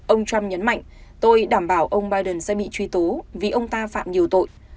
ông trump nhấn mạnh tôi đảm bảo ông biden sẽ bị truy tố vì ông ta phạm nhiều tội